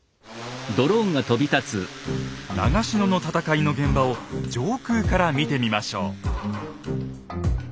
長篠の戦いの現場を上空から見てみましょう。